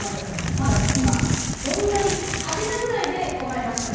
まだ今問題「？」ぐらいで答えましたね